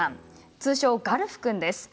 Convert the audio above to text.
通称ガルフ君です。